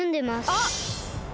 あっ！